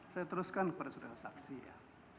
saya teruskan kepada saudara saksi ya